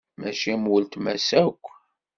Mačči am uletma-s akk.